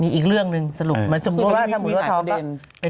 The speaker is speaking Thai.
มีอีกเรื่องนึงสรุป